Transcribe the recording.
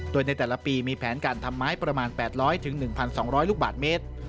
โดยในแต่ละปีมีแผนการทำไม้ประมาณ๘๐๐๑๒๐๐ลูกบาทเมตร